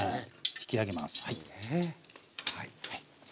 引き上げますはい。